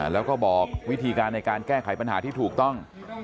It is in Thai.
แล้วก็บอกวิธีการในการแก้ไขปัญหาที่ถูกต้อง